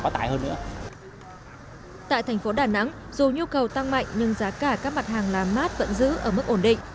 tại thành phố đà nẵng dù nhu cầu tăng mạnh nhưng giá cả các mặt hàng làm mát vẫn giữ ở mức ổn định